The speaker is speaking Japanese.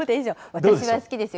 私は好きですよ。